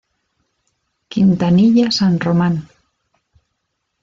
Quintanilla San Roman.